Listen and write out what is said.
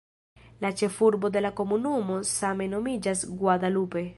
La ĉefurbo de la komunumo same nomiĝas "Guadalupe".